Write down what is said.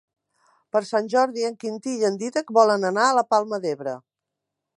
Per Sant Jordi en Quintí i en Dídac volen anar a la Palma d'Ebre.